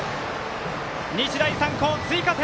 日大三高、追加点！